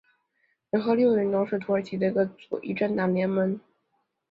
联合六月运动是土耳其的一个左翼政党联盟。